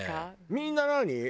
みんな何？